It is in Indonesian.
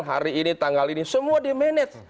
hari ini tanggal ini semua di manage